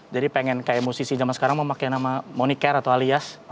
jadi pengen kayak musisi zaman sekarang mau pakai nama moniker atau alias